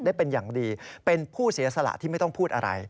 ได้เป็นอย่างดีเป็นผู้เสียสละที่ไม่ต้องพูดอะไร